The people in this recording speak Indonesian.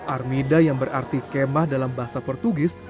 armida yang berarti kemah dalam bahasa portugis